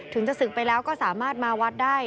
จะศึกไปแล้วก็สามารถมาวัดได้